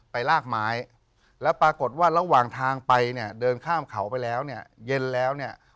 ลากไม้แล้วปรากฏว่าระหว่างทางไปเนี่ยเดินข้ามเขาไปแล้วเนี่ยเย็นแล้วเนี่ย